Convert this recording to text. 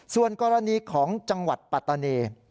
ส่วนกรณีของจังหวัดปัตตานี